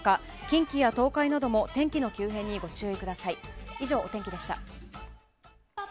近畿や東海なども天気の急変にご注意ください。